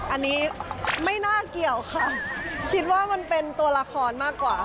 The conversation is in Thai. อันนี้ไม่น่าเกี่ยวค่ะคิดว่ามันเป็นตัวละครมากกว่า